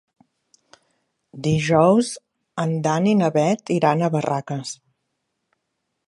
Dijous en Dan i na Bet iran a Barraques.